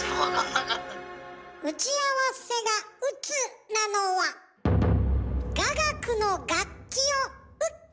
打ち合わせが「打つ」なのは雅楽の楽器を「打って」